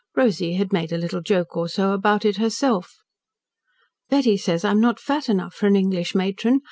Rosy had made a little joke or so about it herself. "Betty says I am not fat enough for an English matron.